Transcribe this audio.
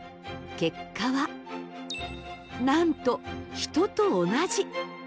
結果はなんと人と同じ！